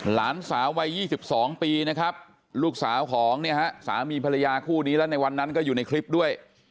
หลานสาววัย๒๒ปีนะครับลูกสาวของเนี่ยฮะสามีภรรยาคู่นี้แล้วในวันนั้นก็อยู่ในคลิปด้วย